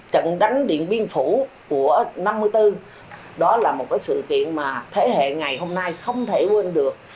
trận đánh điện biên phủ của năm một nghìn chín trăm năm mươi bốn đó là một sự kiện mà thế hệ ngày hôm nay không thể quên được